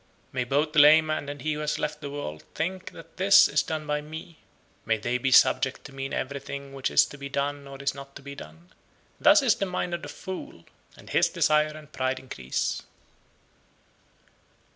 74. "May both the layman and he who has left the world think that this is done by me; may they be subject to me in everything which is to be done or is not to be done," thus is the mind of the fool, and his desire and pride increase.